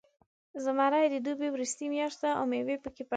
زمری د دوبي وروستۍ میاشت ده، او میوې پکې پاخه کېږي.